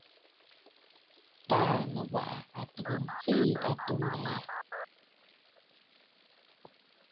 Taà Nɨ̀bàʼà a tɨgə mfee aa atunda yâ.